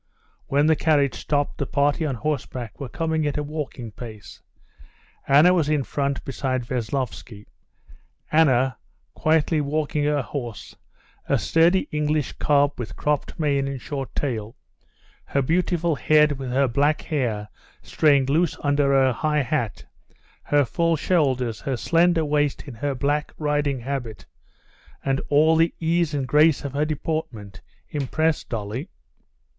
When the carriage stopped, the party on horseback were coming at a walking pace. Anna was in front beside Veslovsky. Anna, quietly walking her horse, a sturdy English cob with cropped mane and short tail, her beautiful head with her black hair straying loose under her high hat, her full shoulders, her slender waist in her black riding habit, and all the ease and grace of her deportment, impressed Dolly.